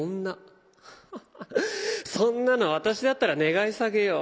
ハハハッそんなの私だったら願い下げよ。